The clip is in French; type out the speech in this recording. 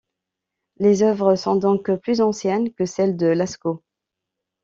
Les œuvres sont donc plus anciennes que celles de Lascaux.